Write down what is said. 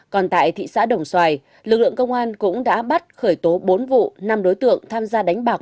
còn tại thị xã đồng xoài lực lượng công an cũng đã bắt khởi tố bốn vụ năm đối tượng tham gia đánh bạc